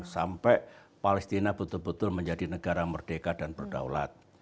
sampai palestina betul betul menjadi negara merdeka dan berdaulat